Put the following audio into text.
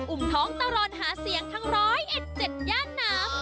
อุ่มท้องตลอดหาเสียงทั้งร้อยเอ็ดเจ็ดย่านน้ำ